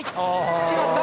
きました！